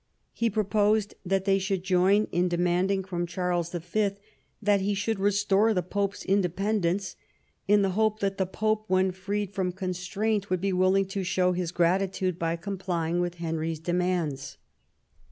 He proposed that they should join in demanding from Charles V. that he should restore the Pope's independence, in the hope that the Pope when freed from constraint would be willing to show his gratitude by complying with Henry's demands.